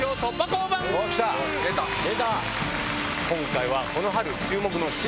今回はこの春注目の。